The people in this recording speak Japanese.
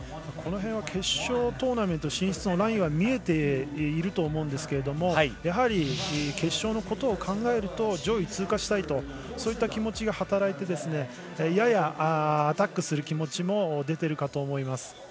この辺は決勝トーナメント進出のラインは見えていると思うんですけどもやはり決勝のことを考えると上位通過したいという気持ちが働いてややアタックする気持ちも出ているかと思います。